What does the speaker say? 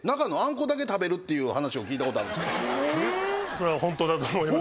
それは本当だと思います。